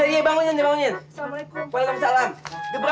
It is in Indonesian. nanti gak keburu mereka harus pada kemusawah semuanya